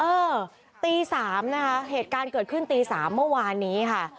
เออตี๓นะคะเหตุการณ์เกิดขึ้นตี๓เมื่อวานนี้ค่ะ